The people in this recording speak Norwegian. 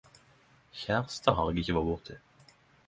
Kjærstad har eg ikkje vore bort i...